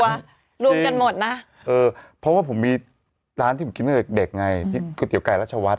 รวมกันหมดนะเออเพราะว่าผมมีร้านที่ผมกินตั้งแต่เด็กเด็กไงที่ก๋วยเตี๋ไก่รัชวัฒ